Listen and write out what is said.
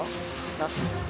なし。